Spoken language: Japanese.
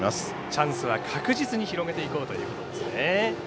チャンスは確実に広げていこうということですね。